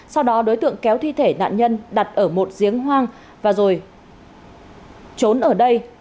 sau đó đối tượng kéo thi thể nạn nhân đặt ở một giếng hoang và rồi trốn ở đây